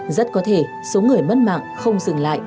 rất có thể số người mất mạng không dừng lại